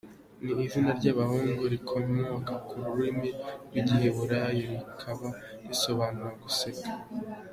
ni izina ry’abahungu rikomoka ku rurimi rw’Igiheburayi rikaba risobanura “Guseka”.